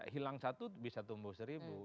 hilang satu bisa tumbuh seribu